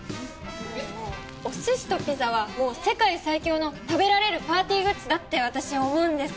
うんもうおすしとピザはもう世界最強の食べられるパーティーグッズだって私は思うんです。